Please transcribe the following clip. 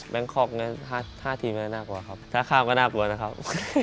แบงค์คอล์ก๕ทีมแล้วน่ากลัวครับท้าข้ามก็น่ากลัวนะครับ